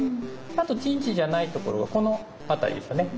あと陣地じゃないところはこの辺りですね。